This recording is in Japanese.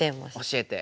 教えて。